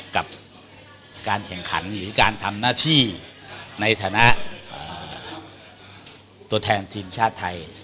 กับการแข่งขันหรือการทำหน้าที่ในฐานะตัวแทนทีมชาติไทย